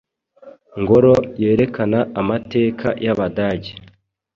ngoro yerekana amateka y’Abadage